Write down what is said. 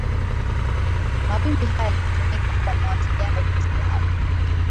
mawimbi haya yalitumika kwa mawasiliano kati yao